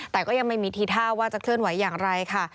แต่ก็ยังไม่มีทีท่าว่าจะเคลื่อนไหวอย่างไรค่ะ